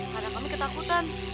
karena kami ketakutan